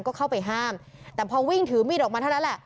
ก็เข้าไปห้ามแต่พอวิ่งถือมีดออกมาเท่านั้นแหละ